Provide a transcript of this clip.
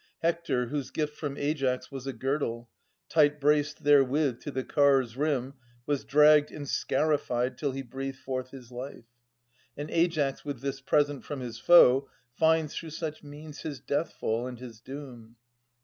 Hector, whose gift from Aias was a girdle. Tight braced therewith to the car's rim, was dragged And scarified till he breathed forth his life. And Aias with this present from his foe Finds through such means his death fall and his doom.